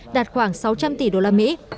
đạt khoảng sáu trăm linh tỷ đô la mỹ